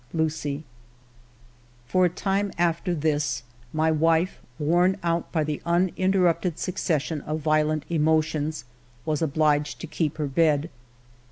... UCIE. ALFRED DREYFUS 65 For a time after this, my wife^ worn out by this uninterrupted succession of violent emotions, was obliged to keep her bed.